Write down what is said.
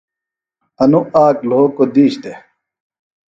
انوۡ آک لھوکوۡ دِیش دےۡ